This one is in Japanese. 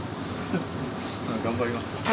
頑張ります。